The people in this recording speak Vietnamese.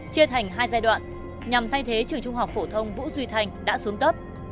chia thành hai giai đoạn nhằm thay thế trường trung học phổ thông vũ duy thành đã xuống cấp